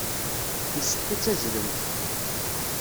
Yessefk ad tazzlemt.